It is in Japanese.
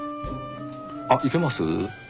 あっいけます？